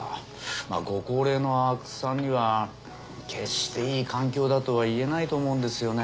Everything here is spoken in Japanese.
まぁご高齢の阿久津さんには決していい環境だとは言えないと思うんですよね。